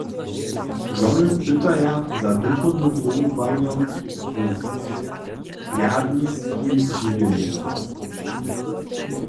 Žony pytaja za duchownym powołanjom w rjadniskim žiwjenju.